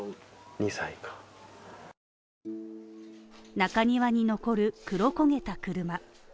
中庭に残る黒焦げた車。